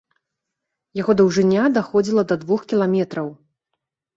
Яго даўжыня даходзіла да двух кіламетраў.